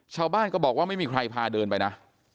ชาวบ้านก็บอกว่าไม่มีใครพาเดินไปนะ